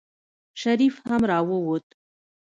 شريف هم راووت.